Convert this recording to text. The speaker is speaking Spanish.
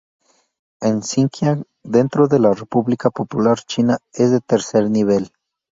En Sinkiang, dentro de la República Popular China, es de tercer nivel.